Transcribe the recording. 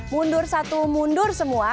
mundur satu mundur semua